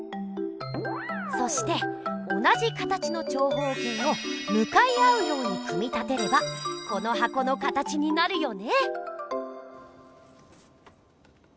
そして同じ形の長方形をむかい合うように組み立てればこのはこの形になるよね！